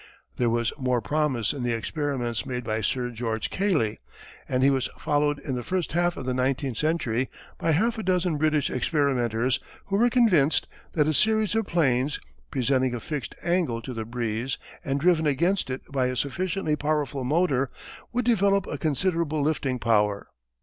There was more promise in the experiments made by Sir George Cayley, and he was followed in the first half of the nineteenth century by half a dozen British experimenters who were convinced that a series of planes, presenting a fixed angle to the breeze and driven against it by a sufficiently powerful motor, would develop a considerable lifting power.